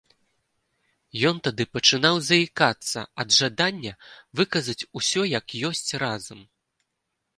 Ён тады пачынаў заікацца ад жадання выказаць усё як ёсць разам.